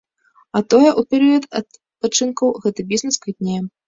А тое ў перыяд адпачынкаў гэты бізнэс квітнее.